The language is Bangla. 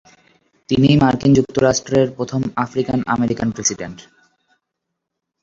তিনিই মার্কিন যুক্তরাষ্ট্রের প্রথম আফ্রিকান-অ্যামেরিকান প্রেসিডেন্ট।